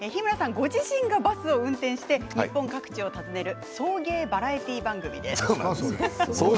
ご自身がバスを運転して日本各地を訪ねる送迎バラエティー番組です。